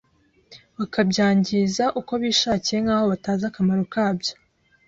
bakabyangiza ukobishakiye nkaho batazi akamaro kabyo